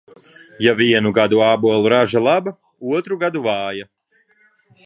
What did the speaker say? Ja vienu gadu ābolu raža laba, otru gadu vāja.